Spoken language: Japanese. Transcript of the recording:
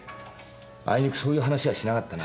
あいにくそういう話はしなかったな。